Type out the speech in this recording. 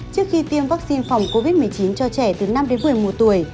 trước khi tiêm vaccine phòng covid một mươi chín cho trẻ từ năm đến một mươi một tuổi